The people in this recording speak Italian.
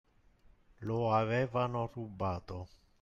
Lo avevano rubato